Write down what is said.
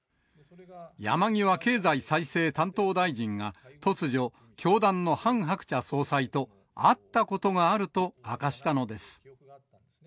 山際経済再生担当大臣が、突如、教団のハン・ハクチャ総裁と、会ったことがあると明かしたのです。